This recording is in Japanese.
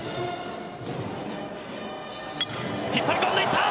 引っ張り込んでいった！